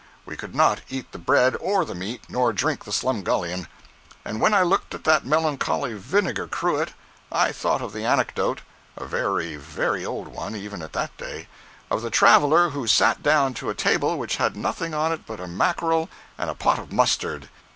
We could not eat the bread or the meat, nor drink the "slumgullion." And when I looked at that melancholy vinegar cruet, I thought of the anecdote (a very, very old one, even at that day) of the traveler who sat down to a table which had nothing on it but a mackerel and a pot of mustard.